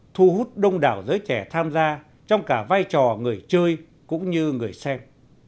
thu hút đông đảo giới trẻ tham gia trong cả vai trò người chơi cũng như người xem